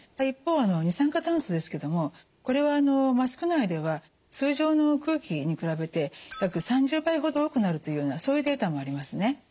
一方二酸化炭素ですけどもこれはマスク内では通常の空気に比べて約３０倍ほど多くなるというようなそういうデータもありますね。